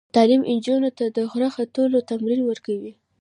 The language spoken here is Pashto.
تعلیم نجونو ته د غره ختلو تمرین ورکوي.